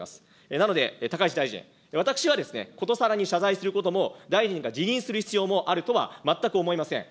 なので高市大臣、私はことさらに謝罪することも、大臣が辞任する必要もあるとは全く思いません。